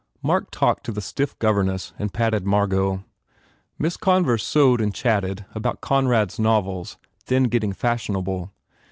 Mark talked to the stiff governess and patted Margot. Miss Converse sewed and chatted about Conrad s novels, then getting fashionable.